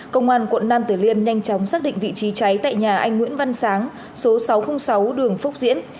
công an quận nam tử liêm nhanh chóng xác định vị trí cháy tại nhà anh nguyễn văn sáng số sáu trăm linh sáu đường phúc diễn